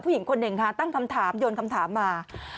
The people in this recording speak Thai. ผู้หญิงคนหนึ่งค่ะตั้งคำถามโยนคำถามมา